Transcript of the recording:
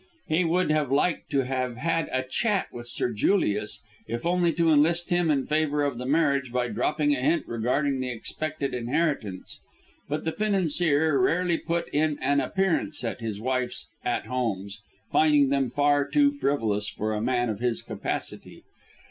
He would have liked to have had a chat with Sir Julius, if only to enlist him in favour of the marriage by dropping a hint regarding the expected inheritance. But the financier rarely put in an appearance at his wife's "At Homes," finding them far too frivolous for a man of his capacity.